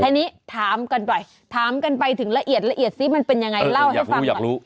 ทีนี้ถามกันไปถึงละเอียดสิมันเป็นยังไงเล่าให้ฟัง